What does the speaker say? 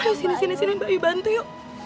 ayo sini sini mbak yuk bantu yuk